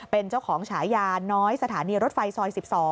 เป็นเจ้าของฉายาน้อยสถานีรถไฟซอย๑๒